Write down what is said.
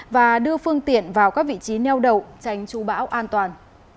và đưa phương tiện vào các vị trí neo đầu tránh trú báo an toàn